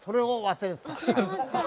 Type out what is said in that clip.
忘れてました！